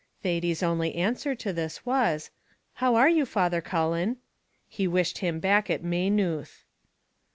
Thady's only answer to this was, "How are you, Father Cullen?" He wished him back at Maynooth.